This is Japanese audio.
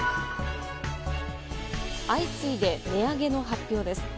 相次いで値上げの発表です。